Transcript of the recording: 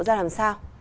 ra làm sao